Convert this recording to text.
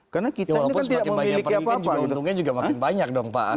walaupun semakin banyak peringkat untungnya juga makin banyak dong pak asnawi